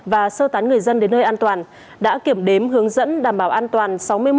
và sơ tán người dân đến nơi an toàn đã kiểm đếm hướng dẫn đảm bảo an toàn